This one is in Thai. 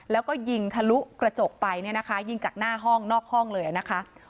แล้วก็ยิงทะลุกระจกไปเนี่ยนะคะยิงจากหน้าห้องนอกห้องเลยนะคะ